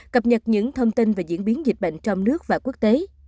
cập nhật những thông tin về diễn biến dịch bệnh trong nước và quốc tế